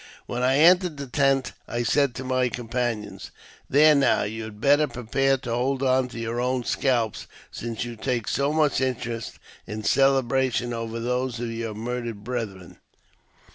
When I entered the tent, I said to my companions, " There, now, you had better prepare to hold on to your own scalps, since you take so much interest in a celebration over those of your murdered brethren."